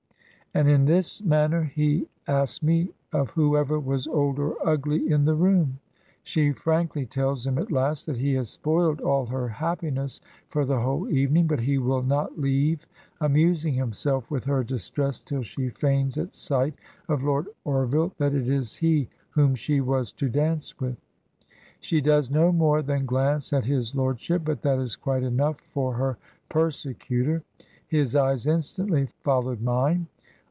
And in this manner he asked me of whoever was old or ugly in the room. " She frankly tells him at last that he has spoiled all her happiness for the whole evening, but he will not leave amusing himself with her distress till she feigns at sight of Lord Orville that it is he whom she was to dance with. She does no more than glance at his lord ship, but that is quite enough for her persecutor. " His eyes instantly followed mine.